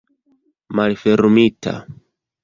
malfermita